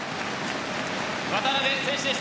渡邊選手でした。